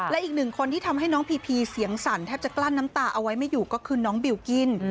และอีกหนึ่งคนที่ทำให้น้องพีพีเสียงสั่นแทบจะกลั้นน้ำตาเอาไว้ไม่อยู่ก็คือน้องบิลกิ้น